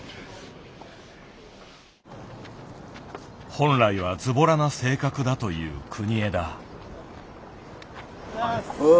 本来はずぼらな性格だという国枝。